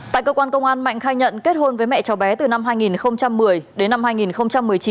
tại cơ quan công an mạnh khai nhận kết hôn với mẹ cháu bé từ năm hai nghìn một mươi đến năm hai nghìn một mươi chín